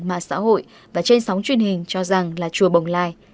mạng xã hội và trên sóng truyền hình cho rằng là chùa bồng lai